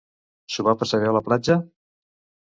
S'ho va passar bé a la platja?